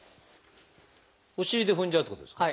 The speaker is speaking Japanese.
お尻で踏んじゃうっていうことですか？